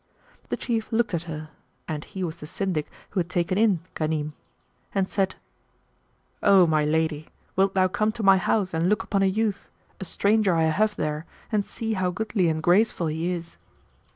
The Chief looked at her (and he was the Syndic who had taken in Ghanim) and said, "O my lady, wilt thou come to my house and look upon a youth, a stranger I have there and see how goodly and graceful he is?"